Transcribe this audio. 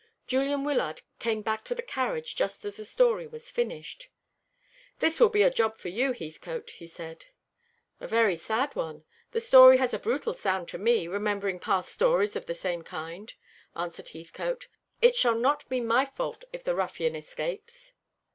Julian Wyllard came back to the carriage just as the story was finished. "This will be a job for you, Heathcote," he said. "A very sad one. The story has a brutal sound to me, remembering past stories of the same kind," answered Heathcote. "It shall not be my fault if the ruffian escapes."